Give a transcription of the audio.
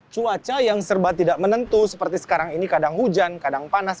cuaca yang serba tidak menentu seperti sekarang ini kadang hujan kadang panas